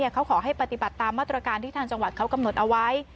เขาขอให้ปฏิบัติตามมาตรการที่ทางจังหวัดเขากำหนดเอาไว้